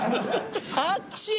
あっちい！